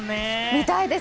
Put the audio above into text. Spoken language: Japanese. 見たいです！